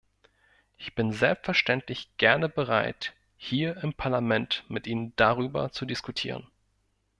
Ich bin selbstverständlich gerne bereit, hier im Parlament mit Ihnen darüber zu diskutieren.